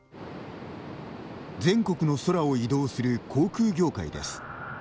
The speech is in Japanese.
全国の空を移動する航空業界です。